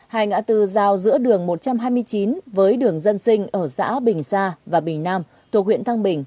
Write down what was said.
hai ngã tư giao giữa đường một trăm hai mươi chín với đường dân sinh ở xã bình sa và bình nam thuộc huyện thăng bình